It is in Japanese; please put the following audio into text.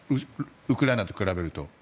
ウクライナと比べると。